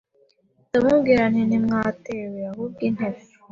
ndamubwira nti ntimwatewe ahubwo intebe